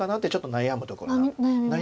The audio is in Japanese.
悩むところ。